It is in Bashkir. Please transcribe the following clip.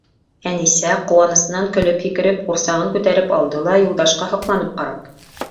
Әнисә, ҡыуанысынан көлөп-һикереп, ҡурсағын күтәреп алды ла, Юлдашҡа һоҡланып ҡарап: